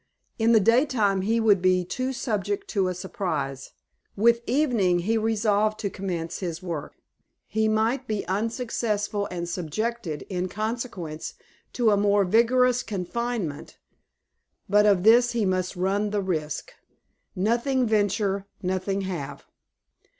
In the daytime he would be too subject to a surprise. With evening, he resolved to commence his work. He might be unsuccessful, and subjected, in consequence, to a more rigorous confinement; but of this he must run the risk. "Nothing venture, nothing have."